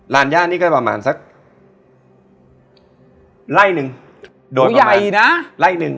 ย่านี่ก็ประมาณสักไร่หนึ่งโดยผู้ใหญ่นะไล่หนึ่ง